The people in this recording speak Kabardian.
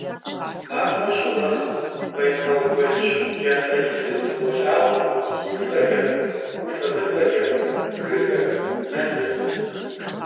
Махуэр щыуэмым Байкал гуэл щыгу джафэ лыдым тыболъагъуэ Ӏуфэхэр, Ӏуфэ мывэхэр, бгыхэр, мэзыр.